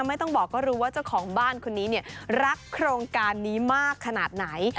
ไม่ต้องบอกก็รู้ว่าเจ้าของบ้านคนนี้เนี่ยรักโครงการนี้มากขนาดไหน